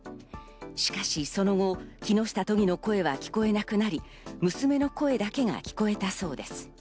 しかしその後、木下都議の声は聞こえなくなり、娘の声だけが聞こえたそうです。